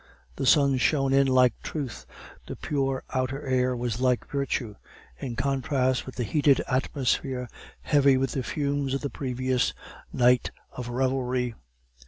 The sun shone in like truth, the pure outer air was like virtue; in contrast with the heated atmosphere, heavy with the fumes of the previous night of revelry.